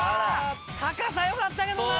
高さよかったけどな。